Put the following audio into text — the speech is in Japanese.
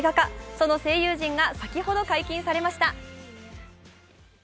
その声優陣が先ほど解禁されました。